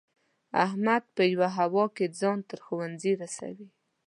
احمد په یوه هوا کې ځان تر ښوونځي رسوي.